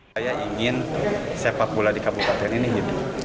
saya ingin sepak bola di kabupaten ini hidup